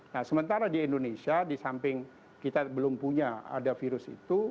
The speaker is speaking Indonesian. nah sementara di indonesia di samping kita belum punya ada virus itu